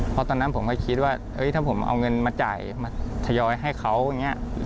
เพราะตอนนั้นผมก็คิดว่าถ้าผมเอาเงินมาจ่ายมาทยอยให้เขาอย่างนี้